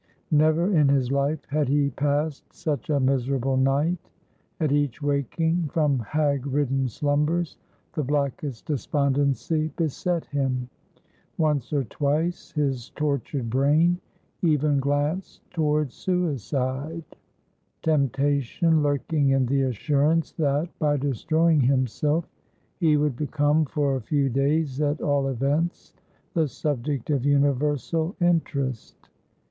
Never in his life had he passed such a miserable night. At each waking from hag ridden slumbers, the blackest despondency beset him; once or twice his tortured brain even glanced towards suicide; temptation lurking in the assurance that, by destroying himself, he would become, for a few days at all events, the subject of universal interest.